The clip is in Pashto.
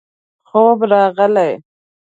خوب راغی.